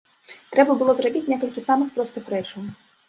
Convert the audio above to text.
Трэба было зрабіць некалькі самых простых рэчаў.